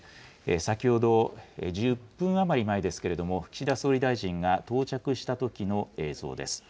先ほど１０分余り前ですけれども、岸田総理大臣が到着したときの映像です。